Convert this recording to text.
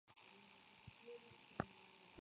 Se casó y tuvo una hija.